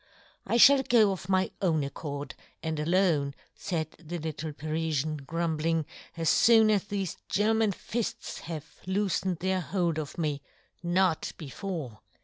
" I fhaH go of my own accord, " and alone," faid the little Parifian, grumbling, "as foon as thefe German " fifts have loofened their hold of me, " not before.